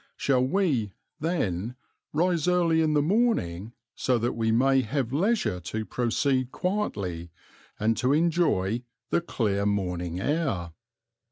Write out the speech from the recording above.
Shall we, then, rise early in the morning, so that we may have leisure to proceed quietly and to enjoy "the clear morning air"?